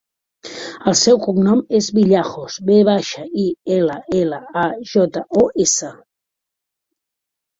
El seu cognom és Villajos: ve baixa, i, ela, ela, a, jota, o, essa.